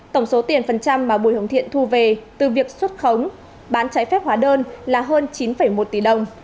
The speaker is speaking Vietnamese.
tổng số tiền phần trăm mà bùi hồng thiện thu về từ việc xuất khống bán trái phép hóa đơn là hơn chín một tỷ đồng